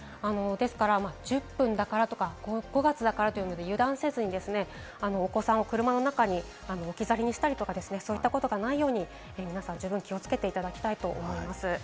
ですから１０分だからとか、５月だからと油断せず、お子さんを車の中に置き去りにしたり、そういったことがないように皆さん、十分注意していただきたいと思います。